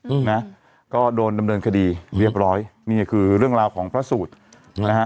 อืมนะก็โดนดำเนินคดีเรียบร้อยนี่คือเรื่องราวของพระสูตรนะฮะ